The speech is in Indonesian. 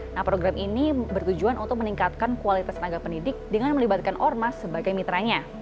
nah program ini bertujuan untuk meningkatkan kualitas tenaga pendidik dengan melibatkan ormas sebagai mitranya